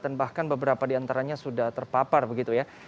dan bahkan beberapa di antaranya sudah terpapar begitu ya